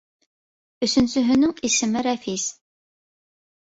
Өсөнсөһөнөн исеме Рәфис.